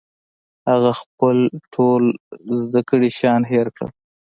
هغه خپل ټول زده کړي شیان هېر کړل